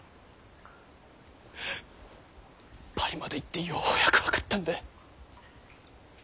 パリまで行ってようやく分かったんだ。